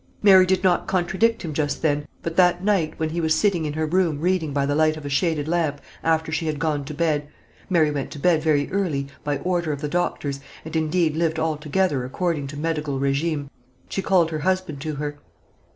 Mary did not contradict him just then; but that night, when he was sitting in her room reading by the light of a shaded lamp after she had gone to bed, Mary went to bed very early, by order of the doctors, and indeed lived altogether according to medical régime, she called her husband to her.